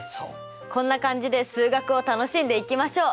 こんな感じで数学を楽しんでいきましょう！